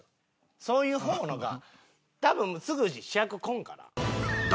そういう方のが多分すぐ主役こんから。